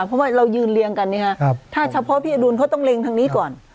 เพราะว่าเรายืนเรียงกันถ้าเฉพาะพี่อดุลเขาต้องเล็งทางนี้ก่อน